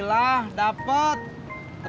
kayu aja kak